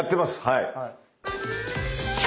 はい。